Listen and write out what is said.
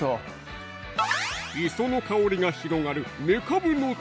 磯の香りが広がる